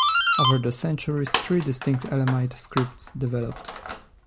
Over the centuries, three distinct Elamite scripts developed.